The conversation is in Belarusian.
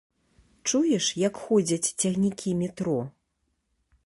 Чуеш, як ходзяць цягнікі метро.